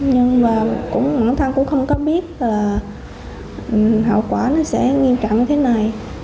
nhưng mà cũng bản thân cũng không có biết là hậu quả nó sẽ nghiêm trọng như thế này